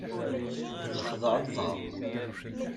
Txedεeḍ-aɣ.